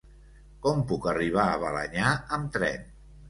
Com puc arribar a Balenyà amb tren?